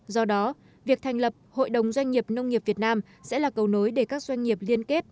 do đó việc thành lập hội đồng doanh nghiệp nông nghiệp việt nam sẽ là cầu nối để các doanh nghiệp liên kết